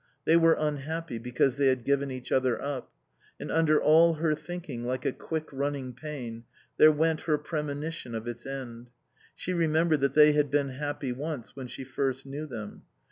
They were unhappy because they had given each other up. And under all her thinking, like a quick running pain, there went her premonition of its end. She remembered that they had been happy once when she first knew them.